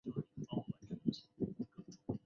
家中的地板露气重